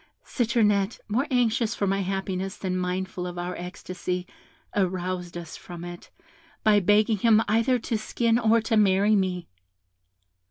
Citronette, more anxious for my happiness than mindful of our ecstasy, aroused us from it, by begging him either to skin or to marry me.